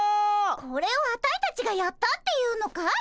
これをアタイたちがやったっていうのかい？